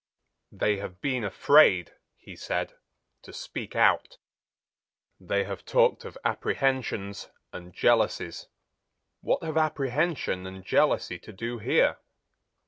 "They have been afraid," he said, "to speak out. They have talked of apprehensions and jealousies. What have apprehension and jealousy to do here?